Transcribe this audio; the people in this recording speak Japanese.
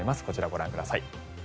こちら、ご覧ください。